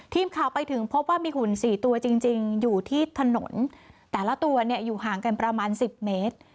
ทีมข่าวไปถึงพบว่ามีหุ่น๔ตัวจริงอยู่ที่ถนนแต่ละตัวเนี่ยอยู่ห่างกันประมาณ๑๐เมตร